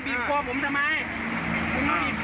พี่ฟังผมสักนิดหน่อยด้วยมั้ยครับพี่